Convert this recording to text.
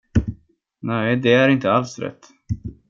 Nej, det är inte alls rätt.